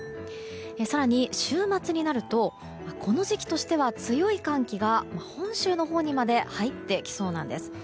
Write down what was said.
更に週末になるとこの時期としては強い寒気が本州のほうにまで入ってきそうなんです。